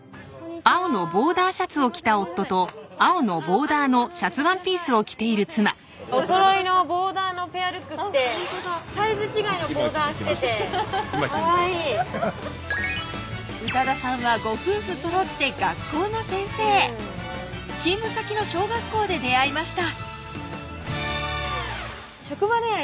お買い物中ごめんなさいすいませんおそろいのボーダーのペアルック着てサイズ違いのボーダー着ててかわいい歌田さんはご夫婦揃って学校の先生勤務先の小学校で出会いました